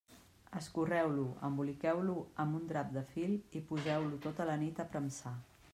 Escorreu-lo, emboliqueu-lo amb un drap de fil i poseu-lo tota la nit a premsar.